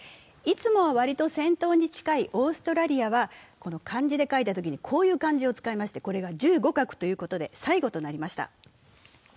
いつもはわりと先頭に近いオーストラリアは漢字で書いたときに、こういう漢字を使いましてこれが１５画ということで最後となりました。